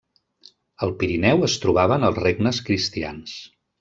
Al Pirineu es trobaven els regnes cristians.